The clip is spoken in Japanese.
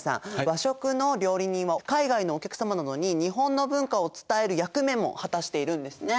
和食の料理人は海外のお客様などに日本の文化を伝える役目も果たしているんですね。